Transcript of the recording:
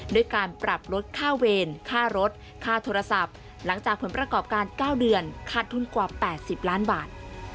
ด้วยการปรับลดค่าเวรค่ารถค่าโทรศัพท์หลังจากผลประกอบการ๙เดือนขาดทุนกว่า๘๐ล้านบาท